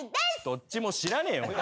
どっちも知らねえよお前。